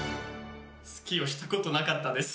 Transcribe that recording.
スキーをしたことなかったです。